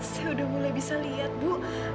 saya udah mulai bisa lihat bu